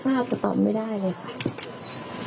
คิดว่ากลายเป็นตัวแปรสักฝันในคดีนี้เลยหรือเปล่า